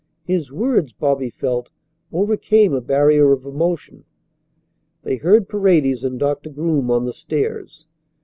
His words, Bobby felt, overcame a barrier of emotion. They heard Paredes and Doctor Groom on the stairs.